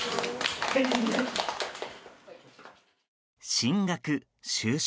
進学、就職。